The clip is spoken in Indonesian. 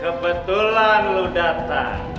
kebetulan lo datang